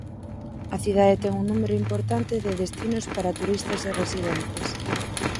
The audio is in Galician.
A cidade ten un número importante de destinos para turistas e residentes.